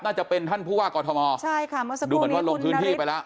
น่าจะเป็นท่านผู้ว่ากอทมใช่ค่ะเมื่อสักครู่นี้คุณนาริส